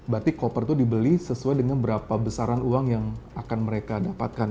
berarti koper itu dibeli sesuai dengan berapa besaran uang yang akan mereka dapatkan